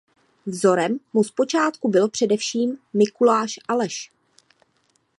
Vzorem mu zpočátku byl především Mikuláš Aleš.